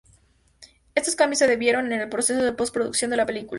Estos cambios se debieron en el proceso de post-producción de la película.